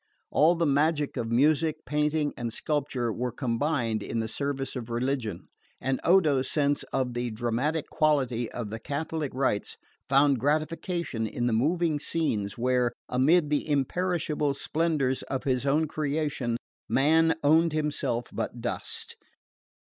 All the magic of music, painting and sculpture were combined in the service of religion, and Odo's sense of the dramatic quality of the Catholic rites found gratification in the moving scenes where, amid the imperishable splendours of his own creation, man owned himself but dust.